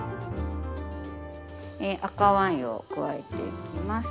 赤ワインを加えていきます。